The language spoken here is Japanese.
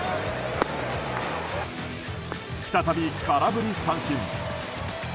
再び空振り三振。